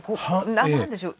何なんでしょう？